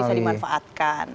ternyata bisa dimanfaatkan